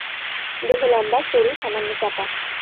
দেহ লম্বা, সরু, সামান্য চাপা।